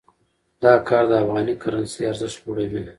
دا کار د افغاني کرنسۍ ارزښت لوړوي.